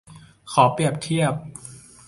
ข้อเปรียบเทียบ